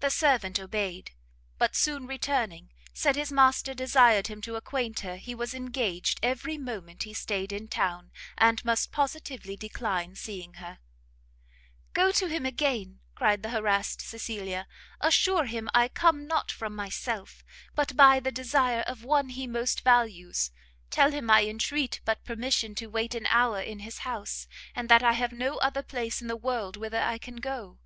The servant obeyed; but soon returning, said his master desired him to acquaint her he was engaged every moment he stayed in town, and must positively decline seeing her. "Go to him again," cried the harassed Cecilia, "assure him I come not from myself, but by the desire of one he most values: tell him I entreat but permission to wait an hour in his house, and that I have no other place in the world whither I can go!"